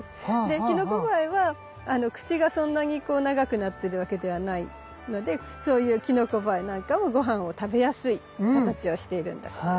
キノコバエは口がそんなに長くなってるわけではないのでそういうキノコバエなんかもごはんを食べやすい形をしているんだそうです。